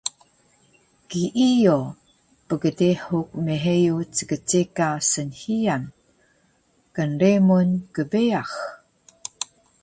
Kiiyo, pgdehu mheyu ckceka snhiyan, kremun, kbeyax